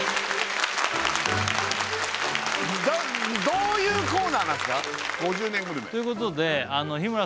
どういうコーナーなんすか？